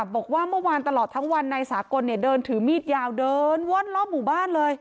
บอกว่าเมื่อวานตลอดทั้งวันนายสากลเดินถือมีดยาวเดินว่อนรอบหมู่บ้านเลย